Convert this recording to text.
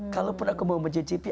kalaupun aku mau mencicipi